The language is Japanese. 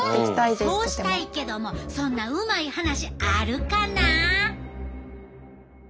そうしたいけどもそんなうまい話あるかな？